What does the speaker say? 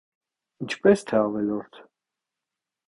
- Ինչպե՞ս թե ավելորդ: